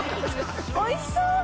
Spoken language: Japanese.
おいしそう！